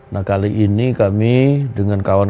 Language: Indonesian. nah kali ini kami dengan kawan